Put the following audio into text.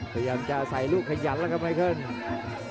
พยายามจะใส่ลูกขยันแล้วกับไมค์เขา